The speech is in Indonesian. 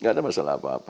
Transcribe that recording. tidak ada masalah apa apa